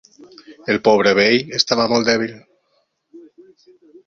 El pobre vell estava molt dèbil.